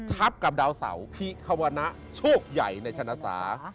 ทัพกับดาวเสาร์พิควณะโชคใหญ่ในชนะศาสตร์